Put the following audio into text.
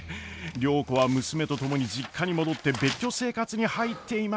良子は娘と共に実家に戻って別居生活に入っていました。